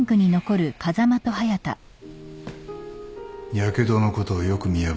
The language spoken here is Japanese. やけどのことをよく見破ったな。